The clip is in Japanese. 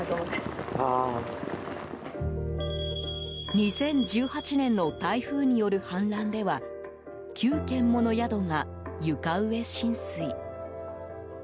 ２０１８年の台風による氾濫では９軒もの宿が床上浸水。